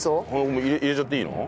もう入れちゃっていいの？